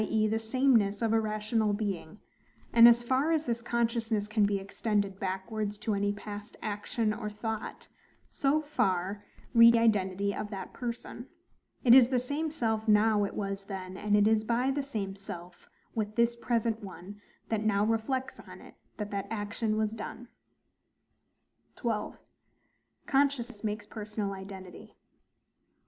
e. the sameness of a rational being: and as far as this consciousness can be extended backwards to any past action or thought, so far reaches the identity of that person; it is the same self now it was then; and it is by the same self with this present one that now reflects on it, that that action was done. 12. Consciousness makes personal Identity.